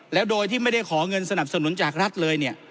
แล้วโดยที่ไม่ได้ขอเงินสนับสนุนจากรัฐเลยเนี่ย